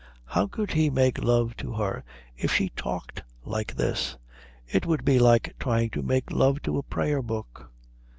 How could he make love to her if she talked like this? It would be like trying to make love to a Prayer book.